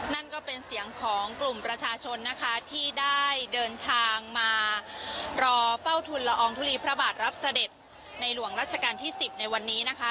นั่นก็เป็นเสียงของกลุ่มประชาชนนะคะที่ได้เดินทางมารอเฝ้าทุนละอองทุลีพระบาทรับเสด็จในหลวงรัชกาลที่๑๐ในวันนี้นะคะ